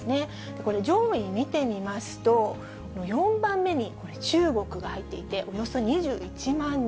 これ、上位見てみますと、４番目に中国が入っていて、およそ２１万人。